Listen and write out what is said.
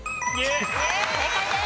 正解です。